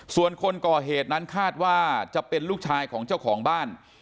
ส่วนคนก่อเหตุนั้นคาดว่าจะเป็นลูกชายของเจ้าของบ้าน